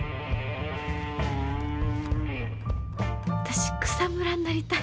私草むらになりたい。